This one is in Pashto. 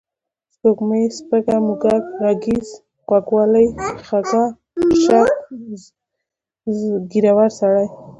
سپوږمۍ، سپږه، موږک، غږیز، غوږ والۍ، خَږا، شَږ، ږېرور سړی